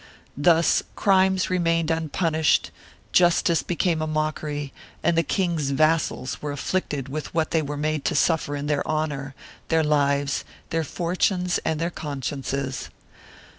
Thus crimes remained unpunished, justice became a mockery and the king's vassals were afflicted with what they were made to suffer in their honor, their lives, their fortunes and their con sciences.